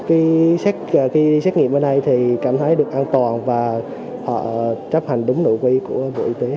cái xét nghiệm ở đây thì cảm thấy được an toàn và họ chấp hành đúng nội quy của bộ y tế